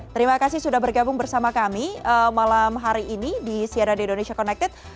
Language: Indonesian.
terima kasih sudah bergabung bersama kami malam hari ini di cnn indonesia connected